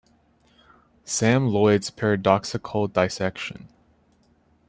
Sam Loyd's paradoxical dissection.